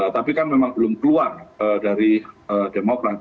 tapi kan memang belum keluar dari demokrat